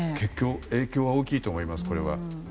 影響は大きいと思います。